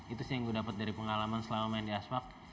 itu sih yang gue dapat dari pengalaman selama main di aspak